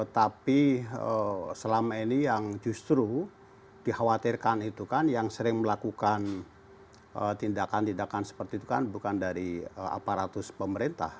tapi selama ini yang justru dikhawatirkan itu kan yang sering melakukan tindakan tindakan seperti itu kan bukan dari aparatus pemerintah